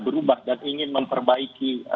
berubah dan ingin memperbaiki